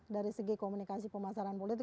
dari segi komunikasi pemasaran politik